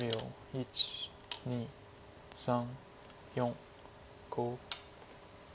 １２３４５。